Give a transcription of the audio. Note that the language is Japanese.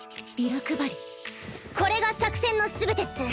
これが作戦の全てっス。